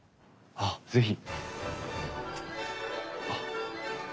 あっ是非。